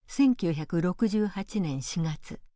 １９６８年４月。